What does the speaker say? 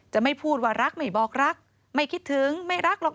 จะไม่พูดว่ารักไม่บอกรักไม่คิดถึงไม่รักหรอก